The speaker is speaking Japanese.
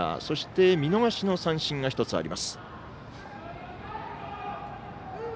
そして見逃し三振が１つ。